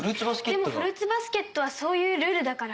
でもフルーツバスケットはそういうルールだから。